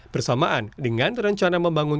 bersamaan dengan rencana membangun